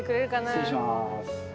失礼します。